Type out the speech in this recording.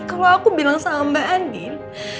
kalau aku bilang sama mbak andi